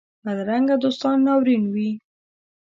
بدرنګه دوستان ناورین وي